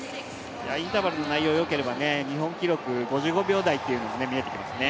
インターバルの内容がよければ日本記録、５５秒台というのが見えてきますね。